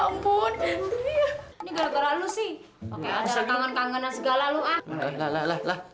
mulai bakal indah